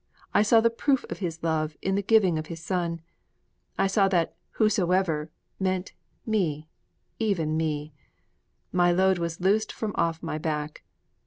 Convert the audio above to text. I saw the proof of His love in the giving of His Son. I saw that whosoever meant me, even me. My load was loosed from off my back.